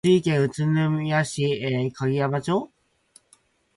栃木県宇都宮市鐺山町